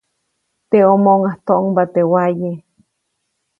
Teʼomoʼuŋ yajktoʼŋba teʼ waye.